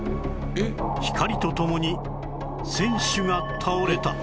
光とともに選手が倒れた！